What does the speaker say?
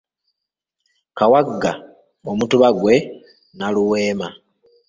Kawagga Omutuba gw'e Nnaluweema.